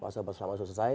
fase pertama sudah selesai